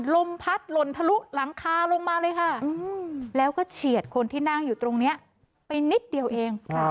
ลมพัดหล่นทะลุหลังคาลงมาเลยค่ะแล้วก็เฉียดคนที่นั่งอยู่ตรงนี้ไปนิดเดียวเอง